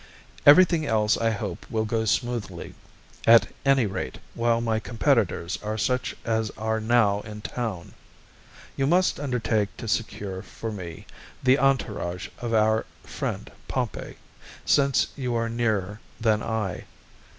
Everything else I hope will go smoothly, at any rate while my competitors are such as are now in town. You must undertake to secure for me the entourage of our friend Pompey, since you are nearer than I.